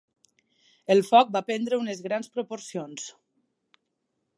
El foc va prendre unes grans proporcions.